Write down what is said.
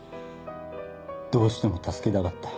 どうしても助けたかった。